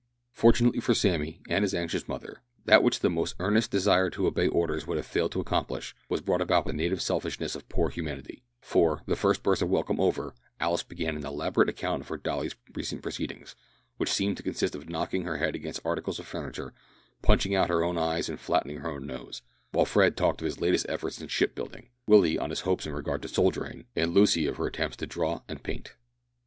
Fortunately for Sammy, and his anxious mother, that which the most earnest desire to obey orders would have failed to accomplish was brought about by the native selfishness of poor humanity, for, the first burst of welcome over, Alice began an elaborate account of her Dolly's recent proceedings, which seemed to consist of knocking her head against articles of furniture, punching out her own eyes and flattening her own nose; while Fred talked of his latest efforts in shipbuilding; Willie of his hopes in regard to soldiering, and Lucy of her attempts to draw and paint.